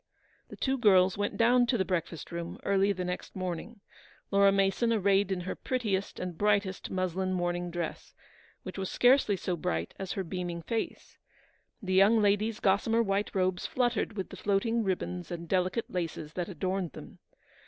The two girls went down to the breakfast room early the next morning, Laura Mason arrayed in her prettiest and brightest muslin morning dress, which was scarcely so bright as her beaming face. The young lady's gossamer white robes fluttered with the floating ribbons and delicate laces that adorned them.